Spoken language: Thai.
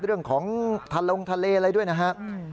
เรื่องของทะลงทะเลอะไรด้วยนะฮะ